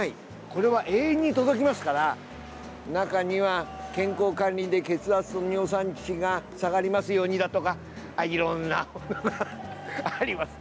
これは永遠に届きますから中には健康管理で血圧と尿酸値が下がりますようにだとかいろんなのがあります。